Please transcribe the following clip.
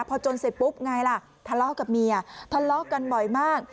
พอจนเสร็จปุ๊บไงล่ะทะเลาะกับเมียทะเลาะกันบ่อยมาก